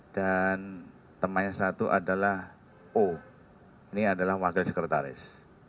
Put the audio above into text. dan temannya satu adalah o ini adalah wakil sekretaris